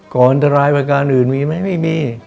อันตรายประการอื่นมีไหมไม่มี